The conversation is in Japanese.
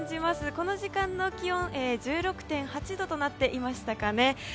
この時間の気温、１６．８度となっていましたかね。